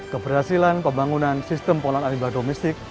keberhasilan pembangunan sistem pola limbah domestik